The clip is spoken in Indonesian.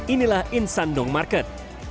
inilah insan dong market